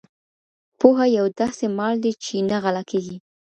پوهه يو داسې مال دی چي نه غلا کيږي.